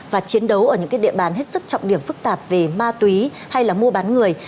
và chiến đấu ở những địa bàn hết sức trọng điểm phức tạp về ma túy hay là mua bán người